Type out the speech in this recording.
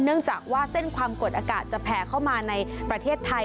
เนื่องจากว่าเส้นความกดอากาศจะแผ่เข้ามาในประเทศไทย